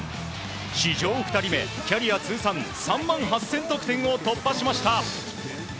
史上２人目キャリア通算３万８０００点を突破しました。